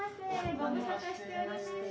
ご無沙汰しておりました。